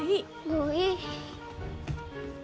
もういい。